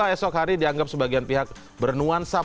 esok hari dianggap sebagian pihak bernuansa